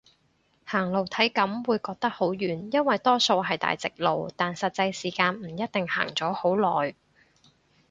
行路體感會覺得好遠，因為多數係大直路，但實際時間唔一定行咗好耐